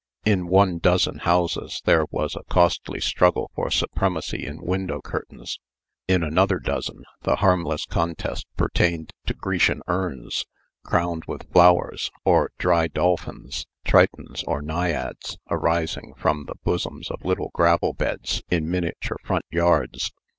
In one dozen houses there was a costly struggle for supremacy in window curtains. In another dozen, the harmless contest pertained to Grecian urns crowned with flowers, or dry dolphins, tritons, or naiads, rising from the bosoms of little gravel beds in miniature front yards.